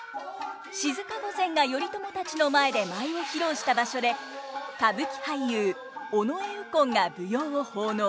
静御前が頼朝たちの前で舞を披露した場所で歌舞伎俳優尾上右近が舞踊を奉納。